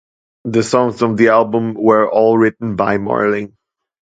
The songs on the album were all written by Marling.